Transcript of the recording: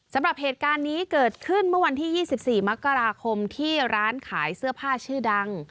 สำหรับเหตุการณ์นี้เกิดขึ้นเมื่อวันที่๒๔มกราคมที่ร้านขายเสื้อผ้าชื่อดัง